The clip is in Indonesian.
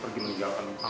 takutnya sakit jantung lo